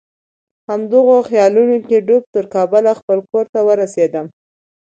همدغو خیالونو کې ډوبه تر کابل خپل کور ته ورسېدم.